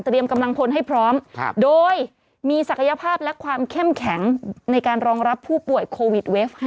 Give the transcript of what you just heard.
กำลังพลให้พร้อมโดยมีศักยภาพและความเข้มแข็งในการรองรับผู้ป่วยโควิดเวฟ๕